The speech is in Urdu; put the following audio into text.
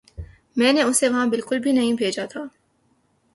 میں نے اسے وہاں بالکل بھی نہیں بھیجا تھا